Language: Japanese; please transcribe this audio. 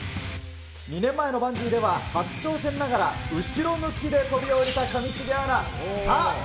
２年前のバンジーでは、初挑戦ながら後ろ向きで飛び降りた上重アナ。